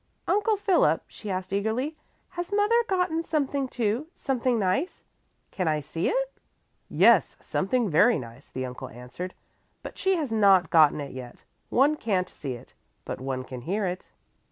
"Uncle Philip," she asked eagerly, "has mother gotten something, too, something nice? Can I see it?" "Yes, something very nice," the uncle answered, "but she has not gotten it yet; one can't see it, but one can hear it."